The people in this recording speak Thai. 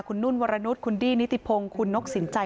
คุณนุ่นวรนุษย์คุณดี้นิติพงศ์คุณนกสินใจ